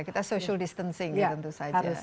kita social distancing ya tentu saja